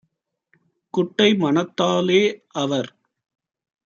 குட்டை மனத்தாலே - அவர்